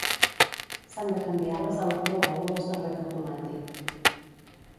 S'han de canviar les electrovàlvules del reg automàtic